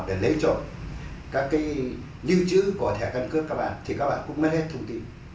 để lấy chỗ các cái lưu trữ của thẻ căn cướp các bạn thì các bạn cũng mất hết thông tin